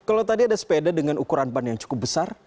kalau tadi ada sepeda dengan ukuran ban yang cukup besar